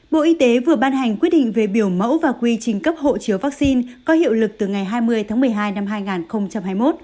bộ y tế vừa ban hành quyết định về biểu mẫu và quy trình cấp hộ chiếu vaccine có hiệu lực từ ngày hai mươi tháng một mươi hai năm hai nghìn hai mươi một